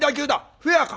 フェアか？